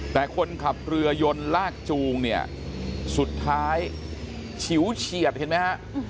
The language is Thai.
แต่คนขับเรือยนลากจูงเนี่ยสุดท้ายฉิวเฉียดเห็นไหมฮะ